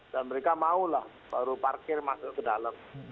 dan mereka maulah baru parkir masuk ke dalam